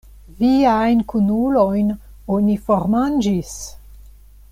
Viajn kunulojn oni formanĝis!